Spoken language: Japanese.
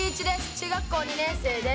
中学校２年生です。